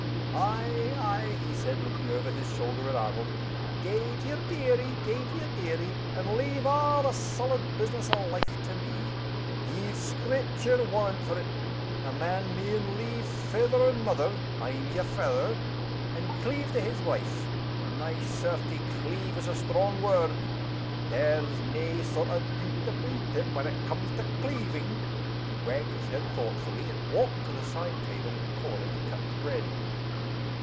"Ay! ay!" he said, looking over his shoulder at Arnold, "gae to your deerie! gae to your deerie! and leave a' the solid business o' life to Me. Ye've Screepture warrant for it. A man maun leave fether and mother (I'm yer fether), and cleave to his wife. My certie! 'cleave' is a strong word there's nae sort o' doot aboot it, when it comes to 'cleaving!'" He wagged his head thoughtfully, and walked to the side table in a corner, to cut the bread.